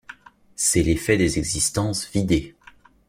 C’est l’effet des existences vidées.